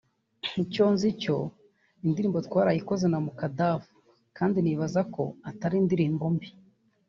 icyo nzi cyo indirimbo twarayikoze na Mukadaff kandi nibaza ko atari indirimbo mbi